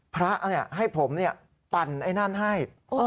พระให้ผมปั่นไอ้นั่นให้